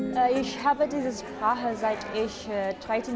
saya telah belajar poliglot sejak saya berusia tiga belas tahun